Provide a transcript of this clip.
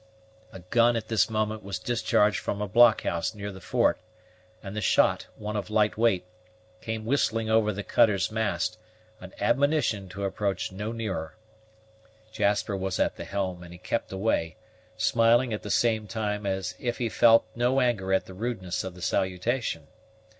A gun at this moment was discharged from a blockhouse near the fort; and the shot, one of light weight, came whistling over the cutter's mast, an admonition to approach no nearer. Jasper was at the helm, and he kept away, smiling at the same time as if he felt no anger at the rudeness of the salutation.